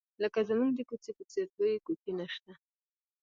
لکه زموږ د کوڅې په څېر لویې کوڅې نشته.